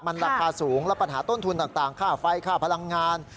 มันราคาสูงและปัญหาต้นทุนต่างค่าไฟค่าพลังงาน